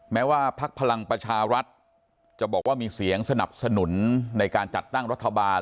แม้ว่าพักพลังประชารัฐจะบอกว่ามีเสียงสนับสนุนในการจัดตั้งรัฐบาล